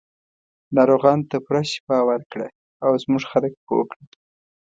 ناروغانو ته پوره شفا ورکړه او زموږ خلک پوه کړه.